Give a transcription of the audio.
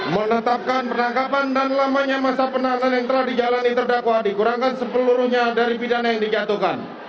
menetapkan penangkapan dan lamanya masa penahanan yang telah dijalani terdakwa dikurangkan sepeluruhnya dari pidana yang dijatuhkan